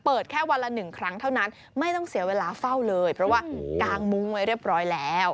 แค่วันละ๑ครั้งเท่านั้นไม่ต้องเสียเวลาเฝ้าเลยเพราะว่ากางมุ้งไว้เรียบร้อยแล้ว